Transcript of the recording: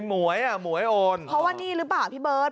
หวยอ่ะหมวยโอนเพราะว่านี่หรือเปล่าพี่เบิร์ต